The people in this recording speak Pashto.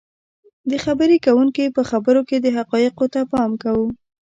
. د خبرې کوونکي په خبرو کې حقایقو ته پام کوو